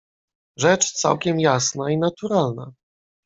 "Rzecz całkiem jasna i naturalna."